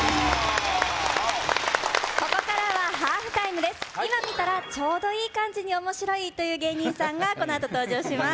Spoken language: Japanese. ここからはハーフタイムです今見たらちょうどいい感じに面白いという芸人さんがこのあと登場します